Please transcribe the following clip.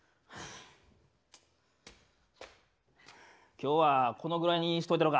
今日はこのぐらいにしといたろか。